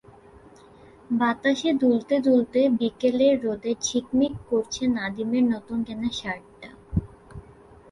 বাতাসে দুলতে দুলতে বিকেলের রোদে ঝিকমিক করছে নাদিমের নতুন কেনা শার্টটা।